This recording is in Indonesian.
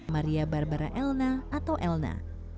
maria barbara elna atau elna